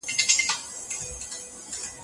په هيواد کي مالي ادارې مخ په پراخيدو دي.